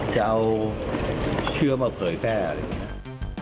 จะเอาเชื้อมาเผยแพร่อะไรอย่างนี้